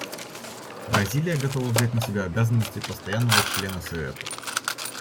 Бразилия готова взять на себя обязанности постоянного члена Совета.